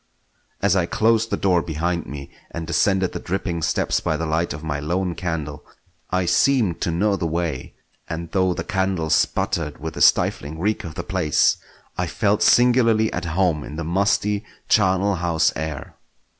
As I closed the door behind me and descended the dripping steps by the light of my lone candle, I seemed to know the way; and though the candle sputtered with the stifling reek of the place, I felt singularly at home in the musty, charnel house air.